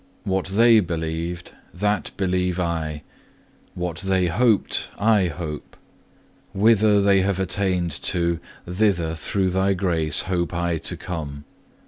What they believed, that believe I; what they hoped, I hope; whither they have attained to, thither through Thy grace hope I to come.